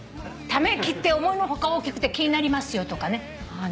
ため息って思いの外大きくて気になりますよとかね。